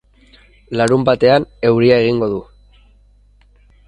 Larunbatean euria egingo du.